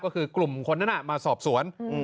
ก็คือกลุ่มคนนั้นมาสอบสวน